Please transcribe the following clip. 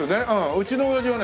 うちの親父はね